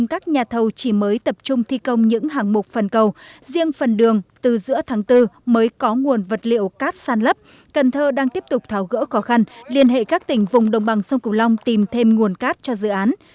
các nhà thầu chỉ mới tập trung thi công những hàng mục phần cầu riêng phần đường từ giữa tháng bốn mới có nguồn vật liệu cát sàn lấp cần thơ đang tiếp tục tháo gỡ khó khăn liên hệ các tỉnh vùng đồng bằng sông cửu long tìm thêm nguồn cát cho dự án